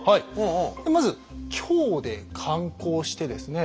まず京で観光してですね